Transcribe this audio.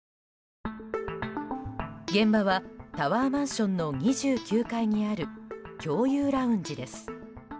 現場はタワーマンションの２９階にある共有ラウンジです。